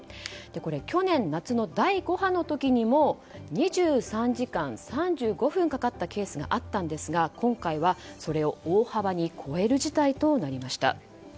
これは去年夏の第５波の時にも２３時間３５分かかったケースがあったんですが今回はそれを大幅に超える事態となりました。